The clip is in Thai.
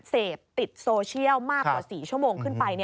เสพติดโซเชียลมากกว่า๔ชั่วโมงขึ้นไป